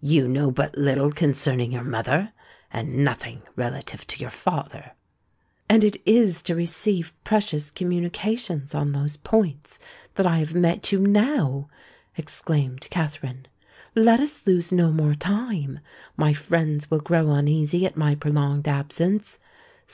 "You know but little concerning your mother—and nothing relative to your father." "And it is to receive precious communications on those points that I have met you now," exclaimed Katherine. "Let us lose no more time—my friends will grow uneasy at my prolonged absence!